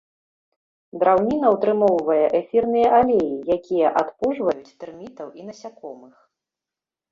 Драўніна ўтрымоўвае эфірныя алеі, якія адпужваюць тэрмітаў і насякомых.